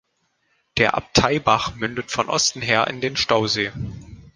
Der Abteibach mündet von Osten her in den Stausee.